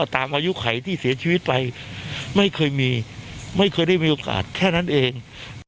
ตามอายุไขที่เสียชีวิตไปไม่เคยมีไม่เคยได้มีโอกาสแค่นั้นเอง